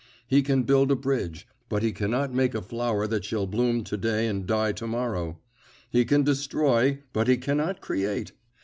He can build a bridge, but he cannot make a flower that shall bloom to day and die to morrow. He can destroy, but he cannot create.